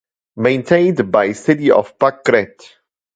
Maintained by City of Pak Kret.